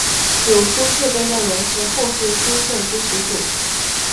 有苏氏被认为是后世苏姓之始祖。